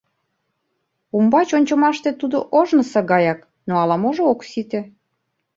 Умбач ончымаште тудо ожнысо гаяк, но ала-можо ок сите.